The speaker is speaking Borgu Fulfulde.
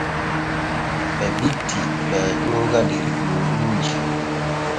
Ɓe bitti ɓee ƴooga der gooruuji.